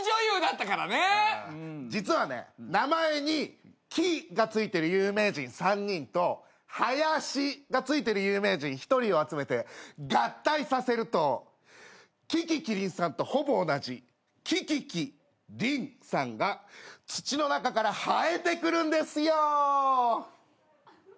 実はね名前に「き」が付いてる有名人３人と「林」が付いてる有名人１人を集めて合体させると樹木希林さんとほぼ同じキキキリンさんが土の中から生えてくるんですよ。